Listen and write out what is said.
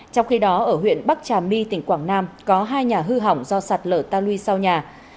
trong khi đó ở huyện bắc trà my tỉnh quảng nam có hai nhà hư hỏng do sạt lở ta lui sau nhà